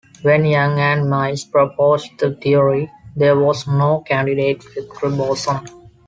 When Yang and Mills proposed the theory, there was no candidate vector boson.